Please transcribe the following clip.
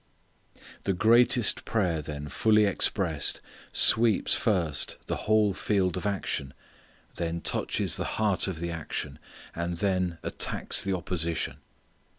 The greatest prayer then fully expressed, sweeps first the whole field of action, then touches the heart of the action, and then attacks the opposition.